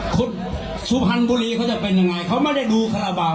คนสุพรรณบุรีเค้าจะเป็นยังไงเค้าไม่ได้ดูขระเบาอ่ะ